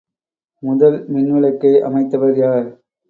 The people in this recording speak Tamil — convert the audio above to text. முதல் மின்விளக்கை அமைத்தவர் யார்?